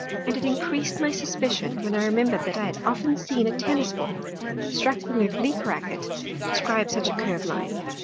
And it increas'd my suspicion, when I remember'd that I had often seen a Tennis Ball, struck with an oblique Racket, describe such a curve Line.